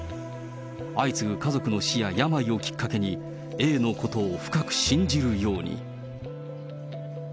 相次ぐ家族の死や病をきっかけに、Ａのことを深く信じるように。